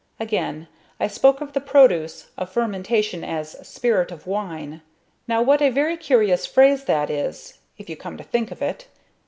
Again, I spoke of the produce of fermentation as "spirit of wine." Now what a very curious phrase that is, if you come to think of it.